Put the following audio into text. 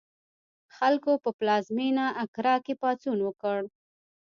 خلکو په پلازمېنه اکرا کې پاڅون وکړ.